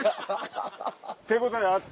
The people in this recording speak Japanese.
手応えあって。